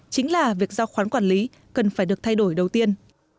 chính là việc giao khoán quản lý cần phải được thay đổi đầu tiên